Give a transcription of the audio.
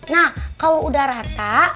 nah kalau udah rata